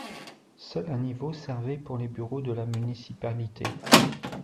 Seul un niveau servait pour les bureaux de la municipalité.